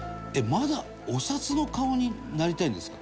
まだお札の顔になりたいんですか？